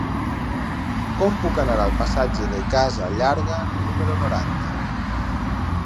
Com puc anar al passatge de Casa Llarga número noranta?